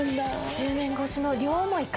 １０年越しの両想いか？